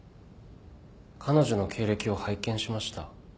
彼女の経歴を拝見しました。